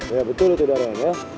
iya betul itu daran ya